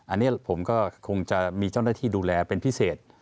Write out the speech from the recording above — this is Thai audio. อันนี้ผมก็คงจะมีเจ้าหน้าที่ดูแลเป็นพิเศษ